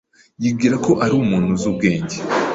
Yibwira ko ari umuntu uzi ubwenge.